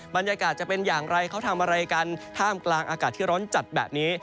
บรรยากาศจะเป็นอย่างไรเขาทำอะไรกันท่ามกลางอากาศที่ร้อนจัดแบบนี้